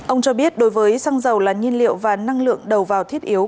ông cho biết đối với xăng dầu là nhiên liệu và năng lượng đầu vào thiết yếu